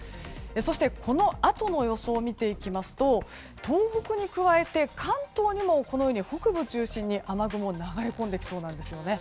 そして、このあとの予想を見ていきますと東北に加えて、関東にもこのように北部中心に雨雲が流れ込んできそうです。